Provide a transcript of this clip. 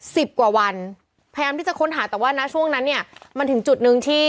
สิบกว่าวันพยายามที่จะค้นหาแต่ว่านะช่วงนั้นเนี่ยมันถึงจุดหนึ่งที่